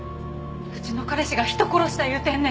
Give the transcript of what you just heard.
うちの彼氏が人殺した言うてんねん。